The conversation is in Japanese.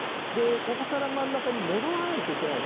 ここから真ん中に戻らないといけない。